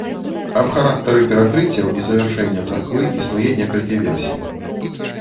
Аб характары перакрыццяў і завяршэння царквы існуе некалькі версій.